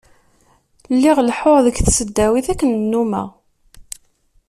Lliɣ leḥḥuɣ deg tesdawit akken nummeɣ.